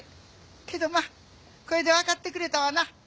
けどまぁこれでわかってくれたわな。